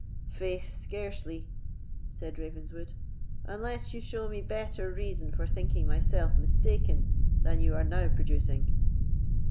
"Faith, scarcely," said Ravenswood, "unless you show me better reason for thinking myself mistaken than you are now producing."